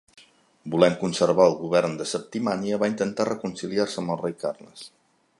Volent conservar el govern de Septimània va intentar reconciliar-se amb el rei Carles.